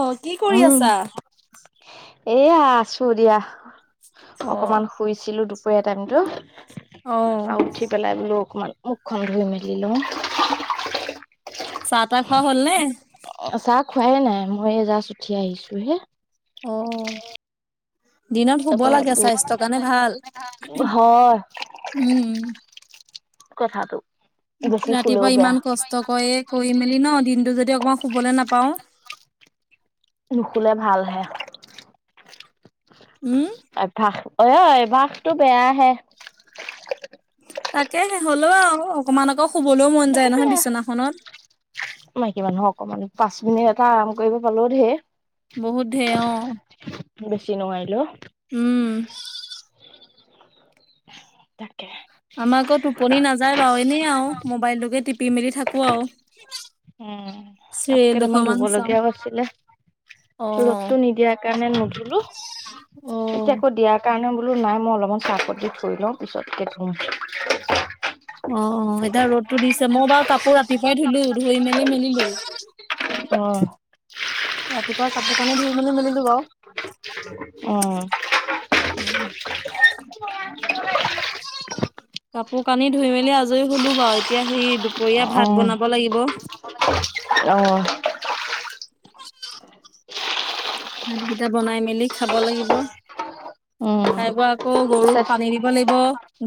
অঁ কি কৰি উম আছা? এয়া আছো দিয়া। অ অকমান শুইছিলো দুপৰীয়া টাইমতো। অ তাৰ পৰা উঠি পেলাই বোলা অকমান মুখখন ধুই মেলি লওঁ। চাহ তাহ খোৱা হল নে? চাহ খোৱাই নাই মই এই জাষ্ট উঠি আহিছো হে। অ' দিনত শুব তাৰপৰা লাগে বোলো স্বাস্থ্যৰ কাৰণে ভাল। হয়, উম কথাটো। বেছি শুলেও ৰাতিপুৱা বেয়া ইমান কষ্ট কৰে কৰি মেলি ন দিনতটো যদি অকমান শুবলে নাপাওঁ, - নোশুলে ভাল হে। উওম? অভ্যাস, অ অভ্যাস টো বেয়া আহে। তাকেহে, হলও আও অকমান আকৌ শুবলেও মন যায় নহয় সেইটোয়ে বিচনাখনত। মাইকী মানুহ অকমান পাঁচ মিনিট এটা আৰাম কৰিব পালও ধেৰ। বহুত ধেই অঁ। বেছি নোৱাৰিলো। উম'। [unintelligible] আমাৰ আকৌ টোপনি নাযায় বাও, এনেই আও মোবাইলটোকে টিপি মেলি থাকো আও। উম' কাপোৰ কেইটামান দুখৰমান ধুব চাওঁ। লগীয়াও আছিলে। অ ৰ'দটো নিদিয়াৰ কাৰণে নুধুলো, অ এতিয়া আকৌ দিয়া- কাৰণে বোলো নাই মই অলপমান ছাৰ্ফত দি থৈ লওঁ পিছতকে ধুম। অঁ অঁ এতিয়া ৰ'দটো দিছে, মই বাৰু কাপোৰ ৰাতিপুৱাই ধুলো ধুই মেলি মেলিলো। অঁ'। ৰাতিপুৱা কাপোৰ কানি ধুই মেলি মেলিলো বাও। অঁ। [unintelligible] কাপোৰ কানি ধুই মেলি আজৰি হ'লো বাও, এতিয়া সেই দুপৰীয়া ভাত বনাব লাগিব। অঁ'। [unintelligible] ভাতকিটা বনাই মেলি খাব লাগিব, উম খাই বৈ আকৌ গৰুক পানী দিব লাগিব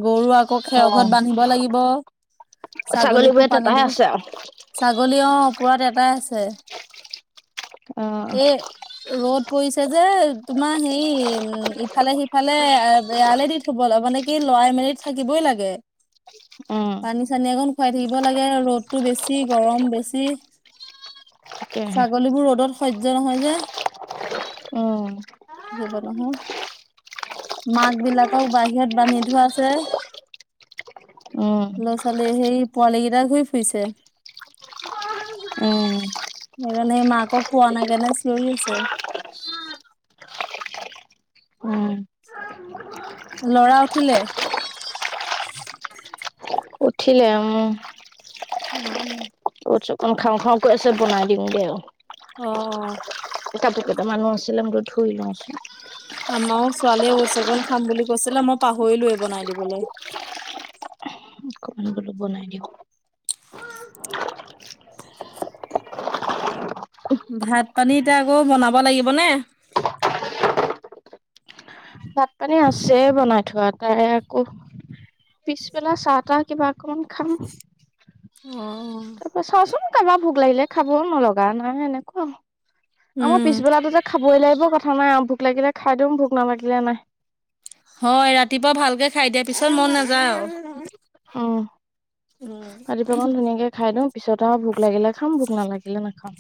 গৰু আ আকৌ খেৰ ঘৰত বান্ধিব লাগিব, অ ছাগলীকো ছাগলীবোৰে পানী তেপাই দিব আছে আৰু ছাগলী অ পূৰঠ এটাই আছে, অ এই ৰদ পৰিছে যে তোমাৰ হেৰি উম ইফালে সিফালে এয়ালে দি থব লাগে মানে কি লৰাই মেলি থাকিবই লাগে। উম পানী চানী অকণ খুৱাই থাকিব লাগে ৰ'দতটো বেছি গৰম বেছি। তাকেহে ছাগলী বোৰ ৰ'দত সহ্য নহয় যে। উম থাকিব নহয় মাক বিলাকক বাহিৰত বান্ধি ধোৱা আছে। উম ল'ৰা ছোৱালী সেই পোৱালি কেইটা ঘূৰি ফুৰিছে। উম। সেইকাৰণে ই মাকক পোৱা নাই কাৰণে চিঞৰি আছে। উম। লৰা উঠিলে? উঠিলে উম্। উম উ [inaudible] খাওঁ খাওঁ কৈ আছে বনাই দিওঁগে আও। অ। কাপোৰ কেইটামানো আছিলে মই ধুই লওঁ চোন। আমাৰো ছোৱালীয়ে অৰ্ছঅকণ খাম বুলি কৈছিলে মই পাহৰিলোৱে বনাই দিবলৈ। মই বোলো বনাই দিওঁ। ভাত পানী এতিয়া আকৌ বনাব লাগিব নে? ভাত পানী আছে বনাই থোৱা তাই আকৌ পিছবেলা চাহ তাহ কিবা অকমান খাম। অঁ। তাৰ পৰা চাওঁচোন কাৰোবাৰ ভোক লাগিলে খাব নলগা নাই সেনেকুৱা। আমাৰ উম পিছবেলাটো যে খাবই লাগিব কথা নাই আৰু ভোক লাগিলে খাই দিওঁ ভোক নালাগিলে নাই। হয় ৰাতিপুৱা ভালকৈ খাই দিয়া পিছত মন নাযায় আৰু। অঁহ। উম ৰাতিপোৱাকন ধুনীয়াকৈ খাই দিওঁ পিছত আৰু ভোক লাগিলে খাম ভোক নালাগিলে নাখাওঁ।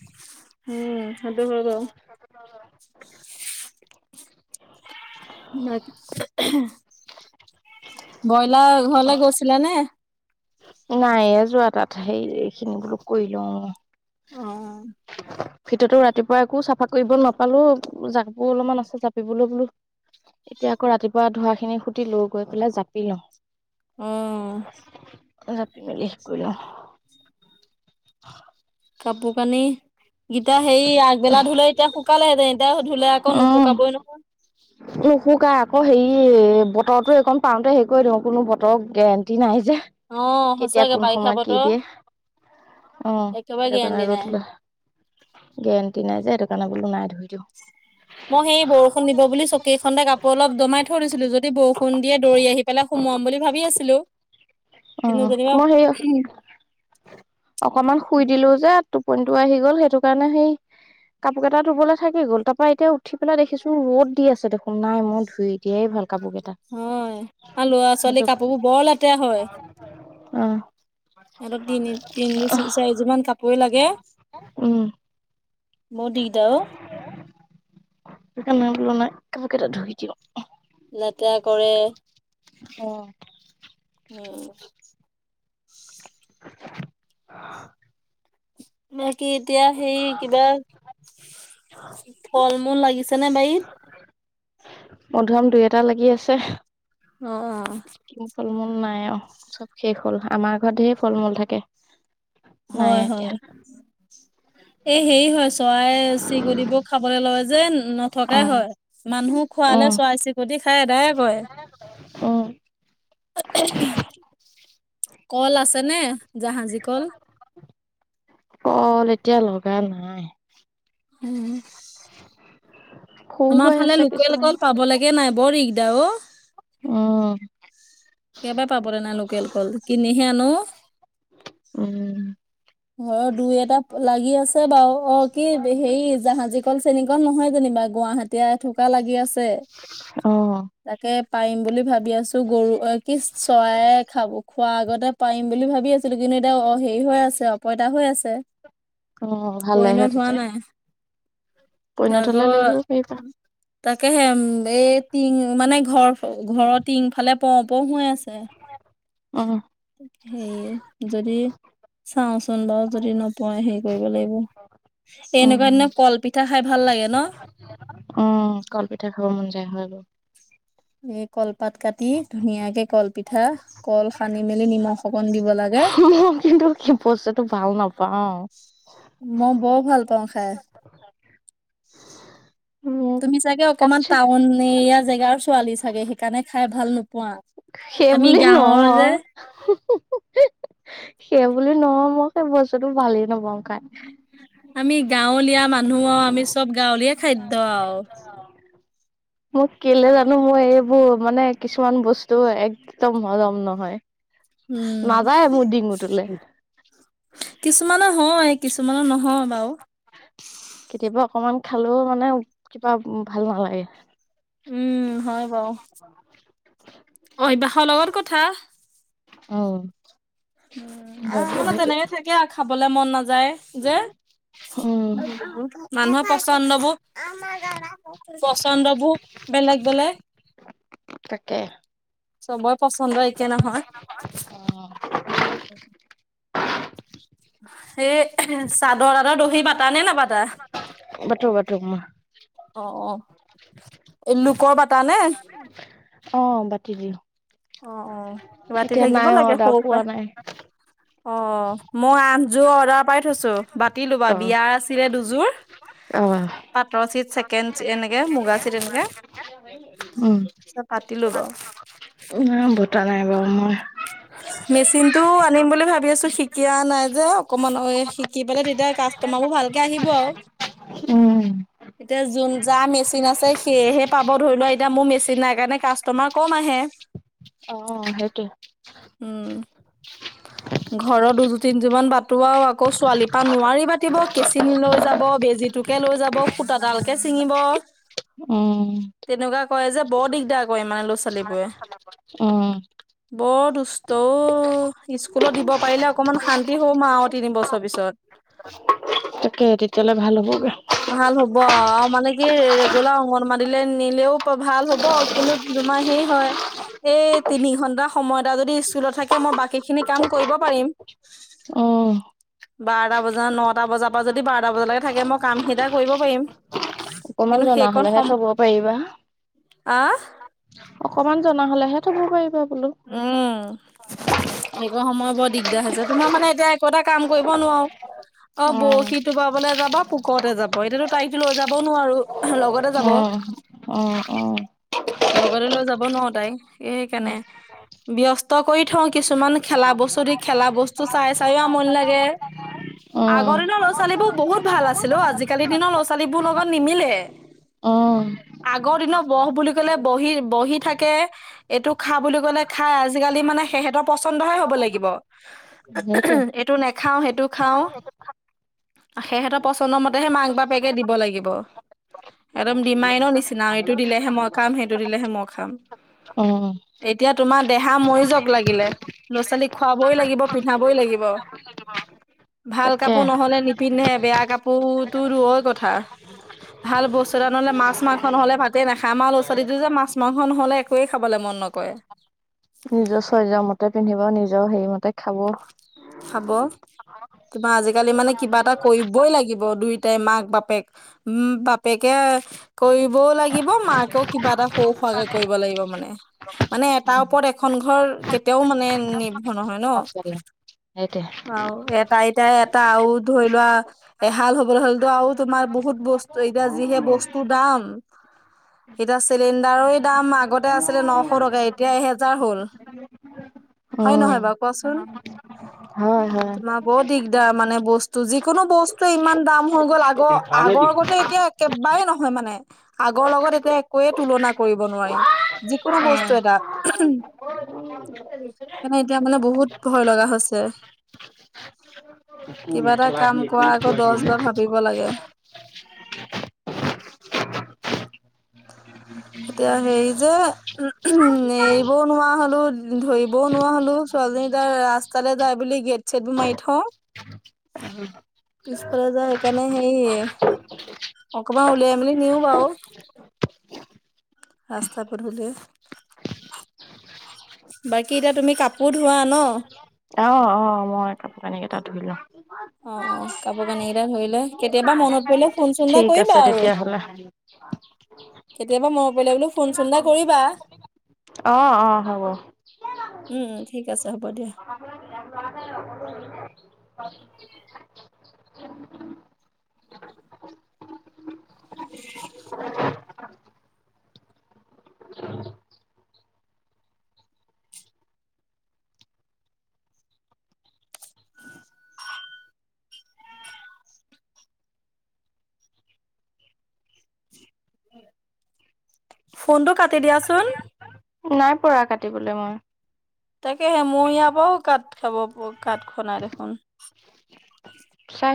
উম সেইটো হয় বাৰু। নাই ব্ৰইলাৰ ঘৰলে গৈছিলা নে? নাই যোৱা তাত সেই এইখিনি বোলো কৰি লওঁ। অ'। ভিতৰতো ৰাতিপুৱা একো চাফা কৰিব নাপালো জা কাপোৰ অলপমান আছে জাপিবলৈ বোলো এতিয়া আকৌ ৰাতিপুৱা ধুৱা খিনি সুটি লৈ গৈ পেলাই জাপি লওঁ। অঁহ। জাপি মেলি শেষ কৰি লওঁ। [unintelligible] কাপোৰ কানি গেইটা হেৰি আগবেলা ধুলে এতিয়া শুকালেহেঁতেন। এতিয়া ধুলে আকৌ উম। নুশুকাবই নহয়। [unintelligible] নুশুকাই আকৌ হেৰি বতৰটো এইকণ পাওঁতে হেৰি দিওঁ কোনো বতৰৰ গেৰেণ্টি নাই যে। অ' কেতিয়া সঁচাকে কোন বাৰিষা সময়ত কি বতৰ দিয়ে অঁ একেবাৰে সেইটো গেৰেণ্টি কাৰণে নাই। ৰ'দ হলে গেৰেণ্টি নাই যে সেইটো কাৰণে বোলো নাই ধুই দিওঁ। মই সেই বৰষুণ দিব বুলি চকী এখনতে কা পোৰ অলপ দমাই থৈ দিছিলো, যদি বৰষুণ দিয়ে দৌৰি আহি পেলাই সোমোৱাম বুলি ভাবি আছিলো। অ কিন্তু যেনিবা অকমান শুই দিলো যে, টোপনিটো আহি গল সেইটো কাৰণে সেই কাপোৰ কেইটা ধুবলে থাকি গ'ল, তাৰপৰা এতিয়া উঠি পেলাই দেখিছো ৰ'দ দি আছে দেখোন নাই মই ধুই দিয়াই ভাল কাপোৰ কেইটা। হয় আৰু লৰা ছোৱালী কাপোৰবোৰ বৰ লেতেৰা হয়! অহ অহ। যিমান কাপোৰে লাগে, বৰ দিগদাৰ অ! সেইকাৰণে বোলো নাই কাপোৰ কেইটা ধুই দিওঁ। লেতেৰা কৰে। অ উম। [inaudible] বাকি এতিয়া সেই কিবা [inaudible] ফল মূল লাগিছে নে বাৰীত? মধুৰীআম দুই এটা লাগি আছে। অঁ। ফল মূল নাই আৰু চব শেষ হ'ল, আমাৰ ঘৰত ধেৰ ফল মূল থাকে। নাই হয় হয়। এতিয়া এই হেৰি হয় চৰাই চিৰিকতিবোৰ খাবলে লয় যে, অ নথকাই হয়। মানুহ খোৱালে উম চৰাই চিৰিকতি খায় এদাই উম। কল আছে নে জাহাজী কল? কল এতিয়া লগা নাই। উম উম। সৰু আমাৰ হৈ ফালে আছে লোকেল কিছুমান কল পাব লেকে নাই বৰ দিগদাৰ ঔ! অঁ। একেবাই পাবলে নাই লোকেল কল, কিনিহে আনো! উম। ঘৰৰ দুই এটা লাগি আছে বাও, অ কি হেৰি জাহাজী কল চেনিকল নহয় যেনিবা, গুৱাহাটীয়া এথোকা লাগি আছে। অ তাকে পাৰিম বুলি ভাবি আছো গৰু অ কি চৰাইয়ে খাব খোৱাৰ আগতে পাৰিম বুলি ভাবি আছ আছিলোঁ কিন্তু এতিয়া অ হেৰি হৈ আছে অপইতা হৈ আছে। অ ভালেহে পইণত হোৱা তেতিয়া নাই, পৰিণত হলে আকৌ লৈ আহিব পাৰিবা তাকেহে উম এই টিং মানে ঘৰ ঘৰৰ টিং ফালে পৰো পৰো হৈ আছে। হে। অঁহ। হেৰি যদি চাওঁ চোন বাও যদি নপয় সেই কৰিব লাগিব, এনেকুৱা উম দিনা কলপিঠা খায় ভাল লাগে ন? উম কল পিঠা খাব মন যায়, হয়‌ বাৰু। এই কলপাত কাটি ধুনীয়াকে কলপিঠা কল সানি মেলি নিমখ অকন দিব লা মই কিন্তু কি বস্তুটো ভাল নাপাওঁ! ম' বৰ ভাল পাওঁ খাই। মোক তুমি চাগে অকমান কাটছে টাউন এৰিয়া জেগাৰ ছোৱালী চাগে সেইকাৰণে খাই ভাল নোপোৱা। আমি সেবুলি গাঁৱৰ যে নহয়। সেই বুলি নহয় মই খাই বস্তুটো ভালেই নাপাওঁ খাই। আমি গাঁৱলীয়া মানুহ আউ আমি চব গাঁৱলিয়াখাদ্য আউ। মোক কেলে আৰু। জানো মই এইবোৰ মানে কিছুমান বস্তু একদম সজম নহয়। উম নাযায় মোৰ ডিঙিটোলে। কিছুমানৰ হয় কিছুমানৰ নহয় বাও। কেতিয়াবা অকমান খালও মানে কিবা ভাল নালাগে। উম হয় বাউ অভ্যাসৰ লগত কথা। অ উম আহ মানে তেনেকে থাকে আউ। খাবলে মন নাযায় যে উম মানুহৰ পচন্দবো পছন্দবো বেলেগ-বেলেগ। তাকে চবই পচন্দ একে নহয়। হয়, উম উম সেই চাদৰ-তাদৰ দহি বাতানে নাবাতা? বাটো বাটো মই। অ অ দী লোকৰ বাটা নে? অ বাতি দিওঁ। অ অ বাতি এতিয়া থাকিব নাই লাগে অৰ্ডাৰ সও পা। পোৱা নাই অ মই আঠযোৰ অৰ্ডাৰ পাই থৈছো, বাতিলো অ বাও বিয়া আছিলে দুযোৰ। অ। পাটৰ চিত চছেকেণ্ড এনেকে মুগা চিট এনেকে উম। তাৰপিছত পাতিলো বাৰু না বটা নাই বাউ মই। মেচিনটো আনিম বুলি ভাবি আছো শিকা নাই যে অকমান শিকি পেলাই তেতিয়া কা ষ্টমাবো ভালকে আহিব আউ। উম। এতিয়া যোন যা মেচিন আছে সেয়েহে পাব ধৰি লোৱা এতিয়া মোৰ মেচিন নাই কাৰণে কাষ্টমা কম আহে। অ সেইটো। উম [unintelligible] ঘৰৰ দুযো তিনিযোৰ মান বাতো আৰু আকৌ ছোৱালীৰ পৰা নোৱাৰি পাতিব কেঁচিন নি লৈ যাব বেজীটো কে লৈ যাব, সুতাডালকে চিঙিব, উম তেনেকুৱা কৰে যে বৰ দিগদাৰ কৰে আমাৰ ল'ৰা-ছোৱালীবোৰে। উম বৰ দুষ্ট অ স্কুলত দিব পাৰিলে অকমান শান্তি হম আও তিনিবছৰ পিছত। তাকে তেতিয়ালে ভাল হ'বগে। ভাল হ'ব আৱ মানে কি ৰেগুলা অংগন বাদিলে নীলেও ভাল হ'ব কিন্তু তোমাৰ হেই হয় এই তিনি ঘন্টা সময় এটা যদি ই স্কুলত থাকে মই বাকীখিনি কাম কৰিব পাৰিম। অহ। বাৰটা বজা নটা বজাপা যদি বাৰটা বজালেকে থাকে মই কাম শে ষ কৰিব পাৰিম অকমান জনা সেইকণ হলেহে সম থব পাৰিবা। আহ অকমান জনা হ'লেহে থব পাৰিবা বোলো! উম হেইকন সময় বৰ দিগদাৰ হৈছে, তোমাৰ মানে এতিয়া একো এটা কাম কৰিব নোৱাৰো। আৰু উম বৰশী টোপাবলে যাবা পোকতে যাব, এতিয়াতো তাইক লৈ যাবও নোৱাৰো। লগতে যাব উম উম উম। লগতে লৈ যাব নোৱাও তাইক এইকাণে। ব্যস্ত কৰি থওঁ কিছুমান খেলা বস্তু দি খেলা বস্তু চাই চাইও আমনী লাগে। উম আগৰ দিনৰ ল'ৰা ছোৱালীবোৰ বহুত ভাল আছিল ঔ, আজিকালি দিনৰ ল'ৰা ছোৱালীবোৰ লগত নিমিলে। উম। আগৰ দিনৰ বহ বুলি কলে বহি বহি থাকে, এইটো খা বুলি ক'লে খায় আজিকালি মানে সিহঁতৰ পচন্দহে হ'ব লাগিব। উম সেইটোৱে এইটো নেখাও সেইটো খাওঁ। সেহেঁতৰ পচন্দ মতেহে মাক বাপেকে দিব লাগিব। একদম ডিমাইনৰৰ নিচিনা এইটো দিলেহে মই খাম সেইটো দিলেহে মই খাম। উম। এতিয়া তোমাৰ দেহা মৰি যাওঁক লাগিলে, ল'ৰা ছোৱালীক খুৱাবই লাগিব পিন্ধাবই লাগিব। [inaudible] ভাল তাকে কাপোৰ নহ'লে নিপিন্ধে, বেয়া কাপোৰতো দুয়ৈ কথা। ভাল বস্তু এটা নহলে মাছ মাংস নহলে ভাতে নাখাই, আমাৰ ল'ৰা ছোৱালীটো যে মাছ মাংস নহলে একোৱে খাবলে মন নকৰে। নিজৰ ছয়ছৰ মতে পিন্ধিব, নিজৰ হেৰি মতে খাব। খাব, তোমাৰ আজিকালি মানে কিবা এটা কৰিবই লাগিব দুইটাই মাক বাপেক। উম বাপেকে কৰিবও লাগিব, মাকেও কিবা এটা সৰু হোৱাকে কৰিব লাগিব মানে। মানে এটাৰ ওপৰত এখন ঘৰ কেতিয়াও মানে নি পষ্টাবি সেইটোৱে। আও এটা এতিয়া এটা আও ধৰি লোৱা এহাল হ'বলৈ হ'লেতো আৰু তোমাৰ বহুত বস্তু এতিয়া যিহে বস্তু দাম! এতিয়া চিলিণ্ডাৰে দাম আগতে আছিলে নশ টকা এতিয়া এহেজাৰ হ'ল। হয় উম, নহয় বাৰু কোৱাচোন? হয় হয়। অ', তোমাৰ বৰ দিগদাৰ মানে বস্তু যিকোনো বস্তুৱে ইমান দাম হৈ গ'ল আগ আগৰ আগৰগতে এতিয়া একেবাৰে নহয় মানে, আগৰ লগত এতিয়া একোৱে তুলনা কৰিব নোৱাই। যিকোনো অ', বস্তু এটা, মানে এতিয়া মানে বহুত ভয় লগা হৈছে, কিবা এটা কাম কৰা আগত দছ বাৰ ভাবিব ব লাগে। [unintelligible] এতিয়া হেৰি যে উম উম এৰিবও নোৱা হলো ধৰিবও নোৱা হলো ছোৱালীজনী তাৰ ৰাস্ তালে যায় বুলি গেট ছেটবোৰ মাৰি থওঁ। পিছফালে যায় সেকানে হেৰি অকমান উলিয়াই মেলি নিও বাও। ৰাস্তা পদুলিয়ে। বাকী এতিয়া তুমি কাপোৰ ধোৱা ন? অ' অ' মই কাপোৰ কানি কেইটা ধুই লওঁ। অ' অ' কাপোৰ কানি কেইটা ধুই লৈ। কেতিয়াবা মনত পৰিলে ফোন চোন এটা ঠিক আছে কৰিবা আৰু তেতিয়াহ'লে। কেতিয়াবা মনত পইলে বোলোঁ ফোন চোন এটা কৰিবা। অ' অ' হ'ব। উম, উম, ঠিক আছে হ'ব দিয়া। [unintelligible] ফোনটো কাটি দিয়াচোন? নাই পৰা কাটিবলৈ মই। তাকেহে মো ইয়াৰ পৰাওঁ কাট খাব কাট খোৱা নাই দেখোন। চা